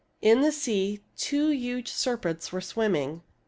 In the sea two huge serpents were swimming.